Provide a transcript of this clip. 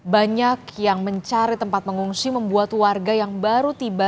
banyak yang mencari tempat mengungsi membuat warga yang baru tiba